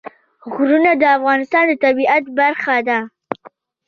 غرونه د افغانستان د طبیعت برخه ده.